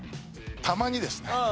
たまにですね。